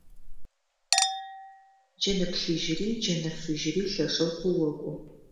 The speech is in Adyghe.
Джэнэ плъыжьыри джэнэ фыжьыри лъэшэу къыокӀу.